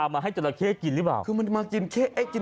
มันกินไม่ได้